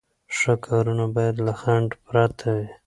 ښه کارونه باید له خنډ پرته وي.